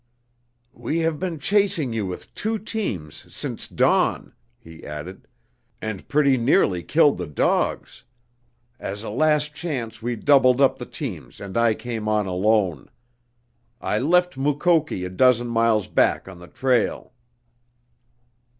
"We have been chasing you with two teams since dawn," he added, "and pretty nearly killed the dogs. As a last chance we doubled up the teams and I came on alone. I left Mukoki a dozen miles back on the trail."